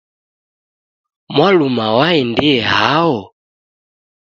Mwaluma waendie hao?